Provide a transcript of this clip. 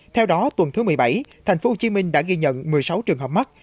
theo đó tuần thứ một mươi bảy thành phố hồ chí minh đã ghi nhận một mươi sáu trường hợp mắc